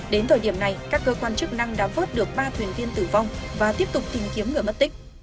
đến thời điểm này các cơ quan chức năng đã vớt được ba thuyền viên tử vong và tiếp tục tìm kiếm người mất tích